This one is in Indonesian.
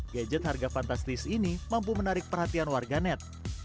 gadget harga fantastis ini mampu menarik perhatian warga net